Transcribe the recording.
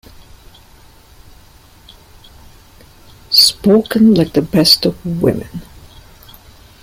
Spoken like the best of women!